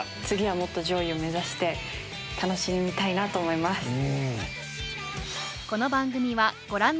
次はもっと上位を目指して楽しみたいなと思います。